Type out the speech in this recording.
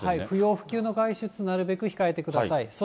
不要不急の外出、なるべく控えてください。